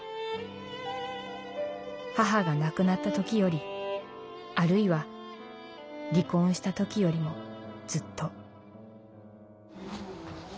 母が亡くなったときよりあるいは離婚したときよりもずっと」。